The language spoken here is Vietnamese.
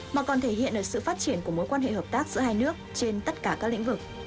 mà còn thể hiện được sự phát triển của mối quan hệ hợp tác giữa hai nước trên tất cả các lĩnh vực